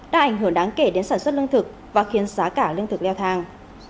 đã ảnh hưởng đáng kể đến sản xuất lương thực và khiến giá cả lương thực leo thang